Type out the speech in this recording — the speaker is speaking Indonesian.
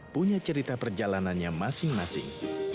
punya cerita perjalanannya masing masing